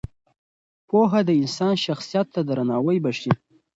پوهه د انسان شخصیت ته درناوی بښي.